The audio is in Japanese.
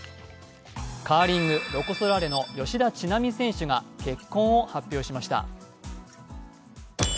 カーリング、ロコ・ソラーレの吉田知那美選手が結婚を発表しました。